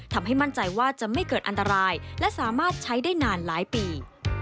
ทำให้มั่นใจว่าจะไม่เกิดอันตรายและสามารถใช้ได้นานหลายปี